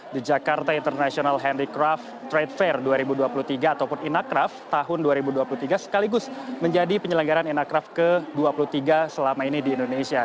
the jakarta international handicraft trade fair dua ribu dua puluh tiga ataupun inacraft tahun dua ribu dua puluh tiga sekaligus menjadi penyelenggaran inacraft ke dua puluh tiga selama ini di indonesia